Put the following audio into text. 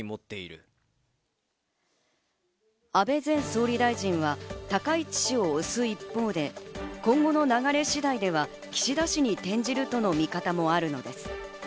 安倍前総理大臣は高市氏を推す一方で、今後の流れ次第では岸田氏に転じるという見方もあるのです。